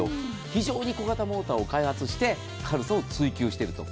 非常に小型モーターを開発して軽さを追求していると。